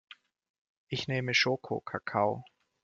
Ich nehme Schokokakao.